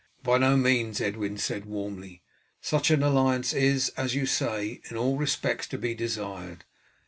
"By no means," Edwin said warmly. "Such an alliance is, as you say, in all respects to be desired.